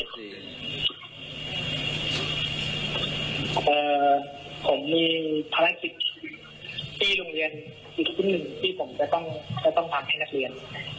ผมมีภารกิจที่โรงเรียนอีกครึ่งหนึ่งที่ผมจะต้องทำให้นักเรียน